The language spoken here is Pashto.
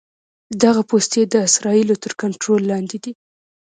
دغه پوستې د اسرائیلو تر کنټرول لاندې دي.